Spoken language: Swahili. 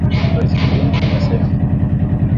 Rais Biden amesema